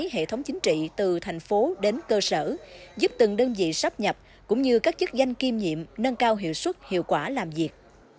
tổ chức bộ máy hệ thống chính trị từ thành phố đến cơ sở giúp từng đơn vị sắp nhập cũng như các chức danh kiêm nhiệm nâng cao hiệu suất hiệu quả làm việc